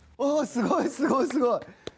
すごいすごい。